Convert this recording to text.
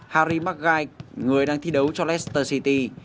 harry maguire người đang thi đấu cho leicester city